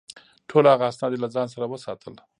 ټول هغه اسناد یې له ځان سره وساتل.